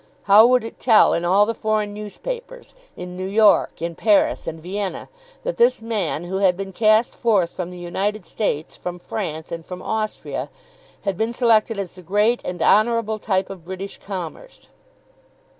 How would it tell in all the foreign newspapers, in New York, in Paris, and Vienna, that this man who had been cast forth from the United States, from France, and from Austria had been selected as the great and honourable type of British Commerce?